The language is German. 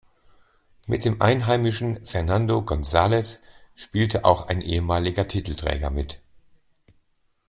Mit dem einheimischen Fernando González spielte auch ein ehemaliger Titelträger mit.